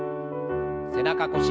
背中腰